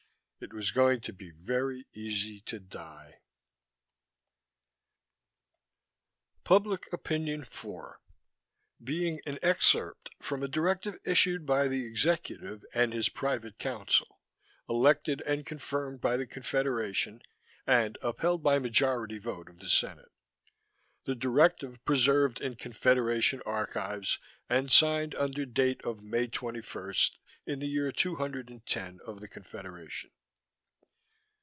It was going to be very easy to die. PUBLIC OPINION FOUR Being an excerpt from a directive issued by the Executive and his Private Council, elected and confirmed by the Confederation, and upheld by majority vote of the Senate: the directive preserved in Confederation Archives, and signed under date of May 21 in the year two hundred and ten of the Confederation.